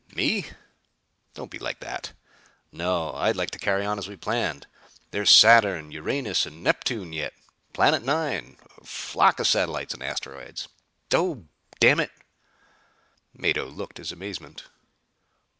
"Me? Don't be like that. No I'd like to carry on as we planned. There's Saturn, Uranus and Neptune yet; Planet 9; a flock of satellites and asteroids. Oh, dammit!" Mado looked his amazement.